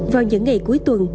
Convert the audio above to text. vào những ngày cuối tuần